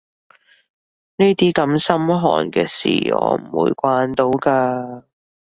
呢啲咁心寒嘅事我唔會慣到㗎